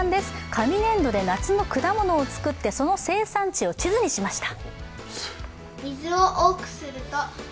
紙粘土で夏の果物を作ってその生産地を地図にしました。